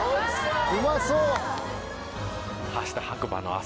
うまそう！